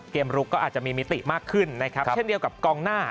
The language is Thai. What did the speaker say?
ลุกก็อาจจะมีมิติมากขึ้นนะครับเช่นเดียวกับกองหน้า